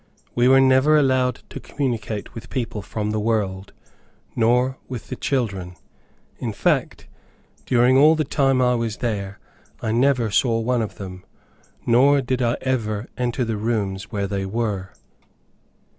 We were never allowed to communicate with people from the world, nor with the children. In fact, during all the time I was there, I never saw one of them, nor did I ever enter the rooms where they were.